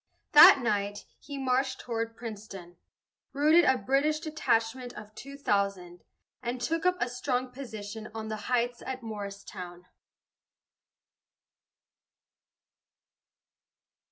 That night, he marched toward Princeton, routed a British detachment of two thousand, and took up a strong position on the heights at Morristown.